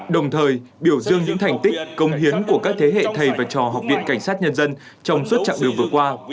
đồng thời biểu dương những thành tích công hiến của các thế hệ thầy và trò học viện cảnh sát nhân dân trong suốt chặng đường vừa qua